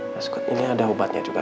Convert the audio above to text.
nah ini ada obatnya juga